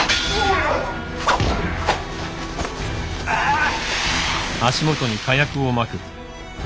あっ。